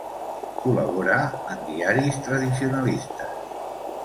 Col·laborà en diaris tradicionalistes.